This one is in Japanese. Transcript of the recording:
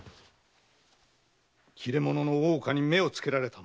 切れ者の大岡に目を付けられたのだ。